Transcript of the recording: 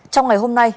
trong ngày hôm nay